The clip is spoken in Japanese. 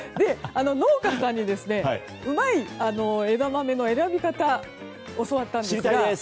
農家さんに、うまい枝豆の選び方教わったんです。